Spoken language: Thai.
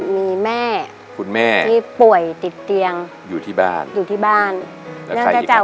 มีแม่คุณแม่ที่ป่วยติดเตียงอยู่ที่บ้านอยู่ที่บ้านเนื่องจาก